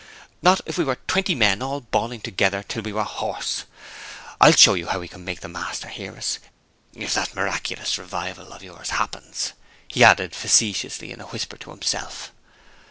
Not if we were twenty men all bawling together till we were hoarse! I'll show you how we can make the master hear us if that miraculous revival of yours happens," he added facetiously in a whisper to himself.